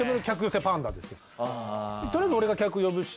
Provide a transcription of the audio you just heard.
とりあえず俺が客を呼ぶし。